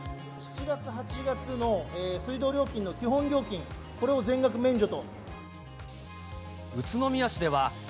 ７月、８月の水道料金の基本料金、これを全額免除と。